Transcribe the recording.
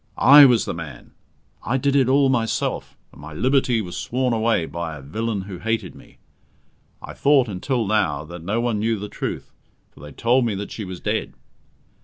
I was the man; I did it all myself, and my liberty was sworn away by a villain who hated me. I thought, until now, that no one knew the truth, for they told me that she was dead."